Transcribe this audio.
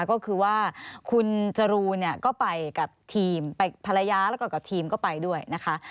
ก็คือว่าคุณจรูนเนี่ยก็ไปกับทีมไปภรรยาแล้วก็กับทีมก็ไปด้วยนะคะ